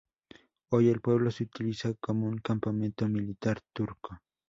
Hoy el pueblo se utiliza como un campamento militar turco.